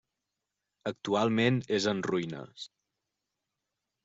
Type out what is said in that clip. Actualment és en ruïnes.